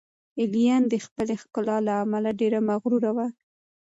ایلین د خپلې ښکلا له امله ډېره مغروره وه.